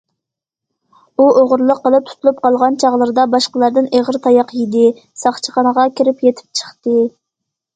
ئۇ ئوغرىلىق قىلىپ تۇتۇلۇپ قالغان چاغلىرىدا باشقىلاردىن ئېغىر تاياق يېدى، ساقچىخانىغا كىرىپ يېتىپ چىقتى.